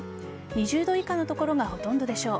２０度以下の所がほとんどでしょう。